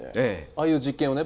ああいう実験をね